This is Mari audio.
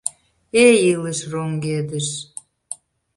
Эй, илыш — роҥгедыш!